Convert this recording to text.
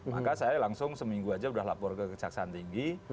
maka saya langsung seminggu aja sudah lapor ke kejaksaan tinggi